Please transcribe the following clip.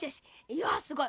いやすごい！